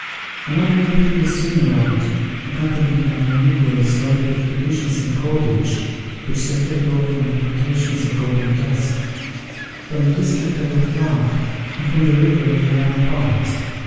A number of people soon arrived, accompanied by their negroes loaded with provisions and cordage, which they had brought from the plantations of Golden Dust, from the district of La Flaque, and from the river of the Ram part.